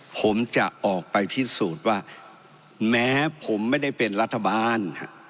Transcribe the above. ผมจะออกไปพิสูจน์ว่าแม้ผมไม่ได้เป็นรัฐบาล